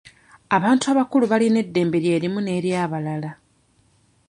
Abantu abakulu balina eddembe lye limu n'eryabalala.